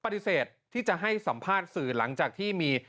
ปฏิเสธที่จะให้สัมภาษณ์สื่อหลังจากที่มี